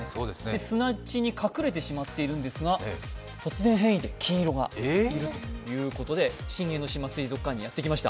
砂地に隠れてしまっているんですが、突然変異で金色がということで新江ノ島水族館にやってきました。